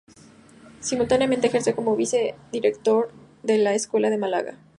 Simultáneamente ejerce como Vice Director de la Escuela de Málaga.